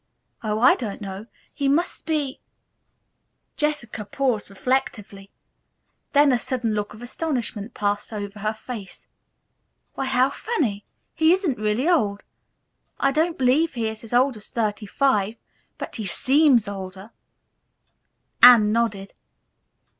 "Oh, I don't know. He must be " Jessica paused reflectively. Then a sudden look of astonishment passed over her face. "Why how funny! He isn't really old. I don't believe he is as old as thirty five, but he seems older." Anne nodded.